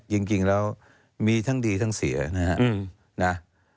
จริงแล้วมีทั้งดีทั้งเสียนะครับ